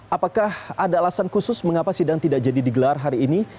apakah ada alasan khusus mengapa sidang tidak jadi digelar hari ini